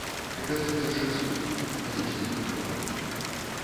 Гэта першыя суткі, калі чацвёра былі.